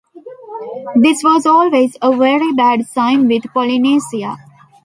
This was always a very bad sign with Polynesia.